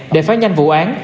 để phá nhanh vụ án